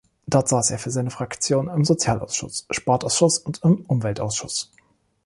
Dort saß er für seine Fraktion im Sozialausschuss, Sportausschuss und im Umweltausschuss.